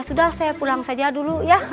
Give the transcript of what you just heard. sudah saya pulang saja dulu ya